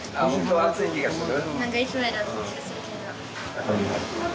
熱い気がする？